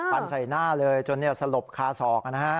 ฟันใส่หน้าเลยจนสลบคาศอกนะฮะ